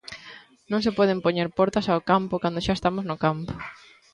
Non se poden poñer portas ao campo cando xa estamos no campo.